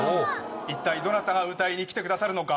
一体、どなたが歌いに来てくださるのか。